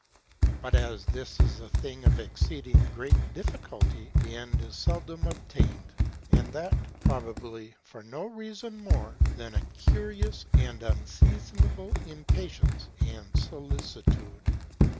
But as this is a thing of exceeding great difficulty, the end is seldom obtained; and that, probably, for no reason more than a curious and unseasonable impatience and solicitude.